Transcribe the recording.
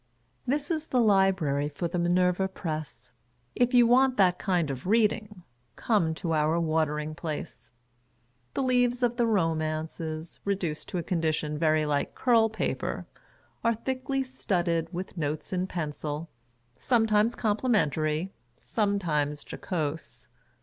This is the library for the Minerva Press. If you want that kind of reading, come to our Watering Place. The leaves of the romances, reduced to a condition very like curl paper, are thickly studded with notes in pencil : some times complimentary, sometimes jocose.